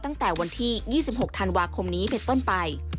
ตั้งแต่วันที่๒๖ธันวาคมนี้เป็นต้นไป